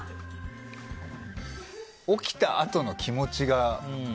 起きたあとの気持ちが。